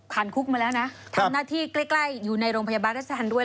คุกมาแล้วนะทำหน้าที่ใกล้อยู่ในโรงพยาบาลราชการด้วย